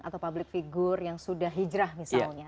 atau public figure yang sudah hijrah misalnya